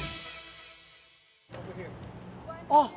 あっ。